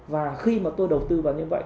và khi mà tôi đầu tư vào như vậy